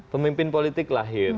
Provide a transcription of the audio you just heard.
pemimpin politik lahir